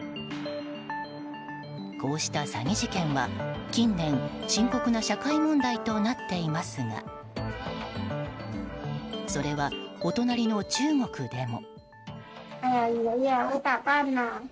こうした詐欺事件は近年深刻な社会問題となっていますがそれは、お隣の中国でも。